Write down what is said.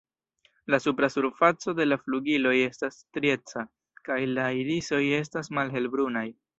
La supra surfaco de la flugiloj estas strieca, kaj la irisoj estas malhelbrunaj.